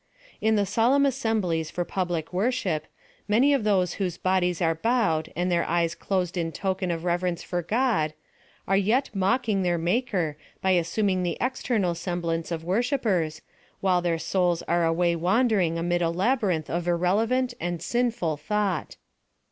In the solemn assemblies for public worship, many of those whose bodies are bowed and their eyes closed in token of reverence for God, are yet mocking theii Maker by assuming the external semblance of wor shippers, while their souls are away wandering; amid a labyrinth of irrelevant and sinful thought.